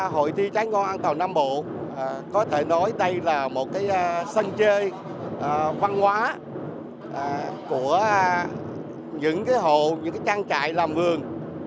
hội thi trái ngon an toàn nam bộ có thể nói đây là một cái sân chơi văn hóa của những cái hộ những cái trang trại làm vườn